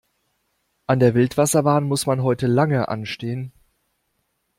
An der Wildwasserbahn muss man heute lange anstehen.